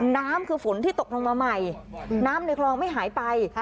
น้ำคือฝนที่ตกลงมาใหม่น้ำในคลองไม่หายไป